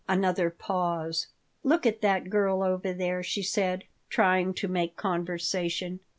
Another pause "Look at that girl over there," she said, trying to make conversation.